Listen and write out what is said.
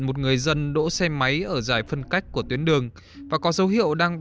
một người dân đỗ xe máy ở giải phân cách